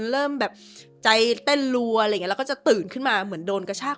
เริ่มแบบใจเต้นรัวอะไรอย่างเงี้แล้วก็จะตื่นขึ้นมาเหมือนโดนกระชาก